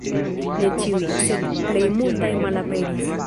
Ne ĉiuj, sed plej multaj malaperis.